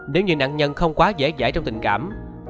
nếu như nạn nhân không quá dễ dãi trong tình cảm